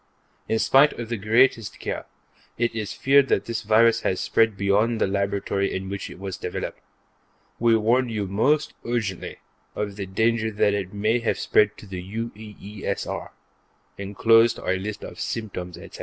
In spite of the greatest care, it is feared that this virus has spread beyond the laboratory in which it was developed. We warn you most urgently of the danger that it may have spread to the UEESR; enclosed are a list of symptoms, etc.